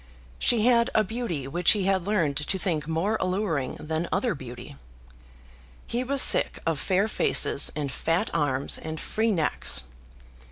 She had a beauty which he had learned to think more alluring than other beauty. He was sick of fair faces, and fat arms, and free necks.